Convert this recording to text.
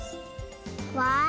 わあ！